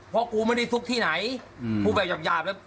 เพราะกูไม่ได้ซุกที่ไหนกูแบบหยาบเลย